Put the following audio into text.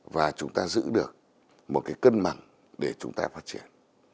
và chúng ta giữ được một cái cân bằng để chúng ta phát triển